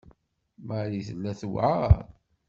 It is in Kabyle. Marie tella tewɛeṛ.